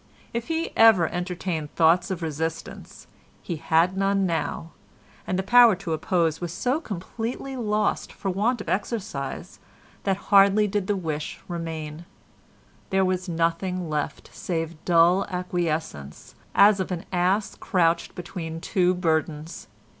If he had ever entertained thoughts of resistance, he had none now, and the power to oppose was so completely lost for want of exercise that hardly did the wish remain; there was nothing left save dull acquiescence as of an ass crouched between two burdens.